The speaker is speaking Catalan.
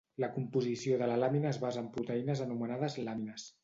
La composició de la làmina es basa en proteïnes anomenades làmines.